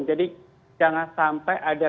jadi jangan sampai ada